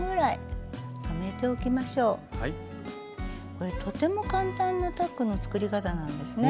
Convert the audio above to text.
これとても簡単なタックの作り方なんですね。